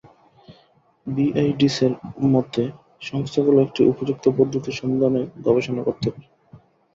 বিআইডিএসের মতো সংস্থাগুলো একটি উপযুক্ত পদ্ধতির সন্ধানে গবেষণা করতে পারে।